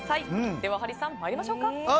ではハリーさん、参りましょうか。